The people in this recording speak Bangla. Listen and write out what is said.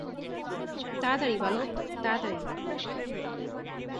তাড়াতাড়ি, বালক, তাড়াতাড়ি।